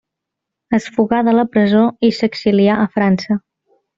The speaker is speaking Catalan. Es fugà de la presó i s'exilià a França.